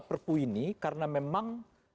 perpu ini karena memang